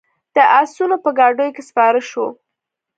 د آسونو په ګاډیو کې سپاره شوو.